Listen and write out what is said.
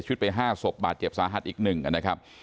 ชุดไปห้าศพบาทเจ็บสาหัสอีกหนึ่งนะครับ